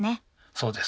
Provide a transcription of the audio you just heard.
そうです。